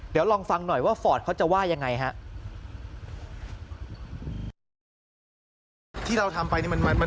เดี๋ยวลองฟังหน่อยว่าฟอร์ตเขาจะว่ายังไงฮะ